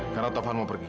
karena taufan mau pergi